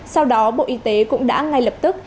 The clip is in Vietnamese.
sau đó bộ y tế cũng đã ngay lập tức